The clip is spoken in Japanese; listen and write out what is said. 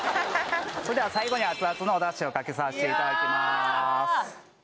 それでは最後にアツアツのお出汁をかけさせていただきます